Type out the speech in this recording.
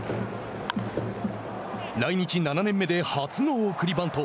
来日７年目で初の送りバント。